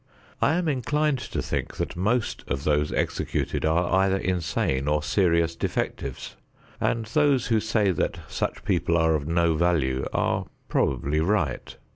I am inclined to think that most of those executed are either insane or serious defectives; and those who say that such people are of no value are probably right.